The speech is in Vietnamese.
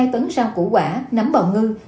một mươi hai tấn rau củ quả nấm bào ngư